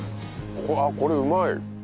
うわこれうまい！